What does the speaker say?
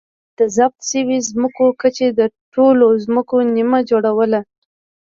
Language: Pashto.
د ضبط شویو ځمکو کچې د ټولو ځمکو نییمه جوړوله